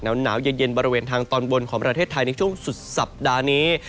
หนาวเย็นบริเวณทางตอนบนของประเทศไทยในช่วงสุดสัปดาห์นี้